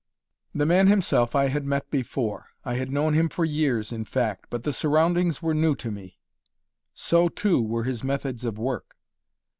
The man himself I had met before I had known him for years, in fact but the surroundings were new to me. So too were his methods of work.